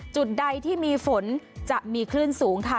จุดใดที่มีฝนจะมีคลื่นสูงค่ะ